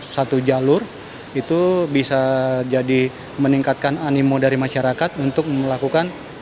satu jalur itu bisa jadi meningkatkan animo dari masyarakat untuk melakukan